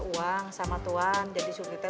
uang sama tuan jadi surti teh